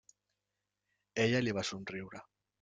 Ella li va somriure.